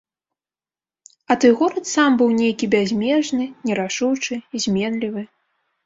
А той горад сам быў нейкі бязмежны, нерашучы, зменлівы.